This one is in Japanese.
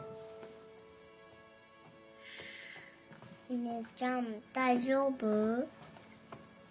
お姉ちゃん大丈夫？